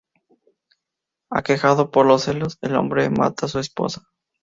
Aquejado por los celos, el hombre mata a su esposa.